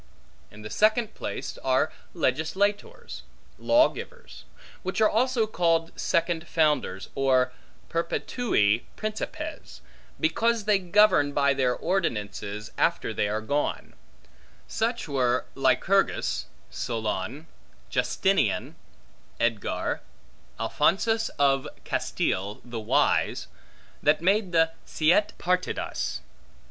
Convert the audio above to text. In the second place are legislatores, lawgivers; which are also called second founders, or perpetui principes, because they govern by their ordinances after they are gone; such were Lycurgus, Solon, Justinian, Eadgar, Alphonsus of Castile, the Wise, that made the Siete Partidas.